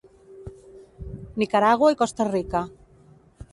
Nicaragua i Costa Rica.